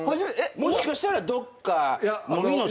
もしかしたらどっか飲みの席。